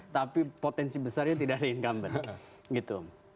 tapi potensi besarnya tidak ada incumbent gitu